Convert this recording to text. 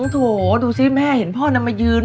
โธ่โต้สิแม่เห็นพ่อนั่นมายืน